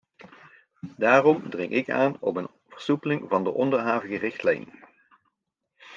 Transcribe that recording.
Daarom dring ik aan op een versoepeling van de onderhavige richtlijn.